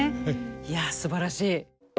いやすばらしい。